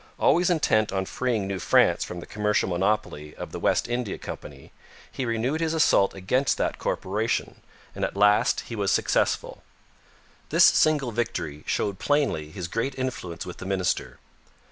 Always intent on freeing New France from the commercial monopoly of the West India Company, he renewed his assault against that corporation, and at last he was successful. This signal victory showed plainly his great influence with the minister.